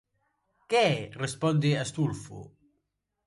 _¿Que? _responde Astulfo.